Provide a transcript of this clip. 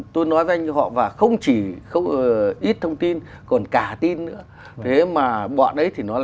tôi nói với anh